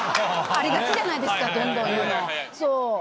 ありがちじゃないですかどんどん言うの。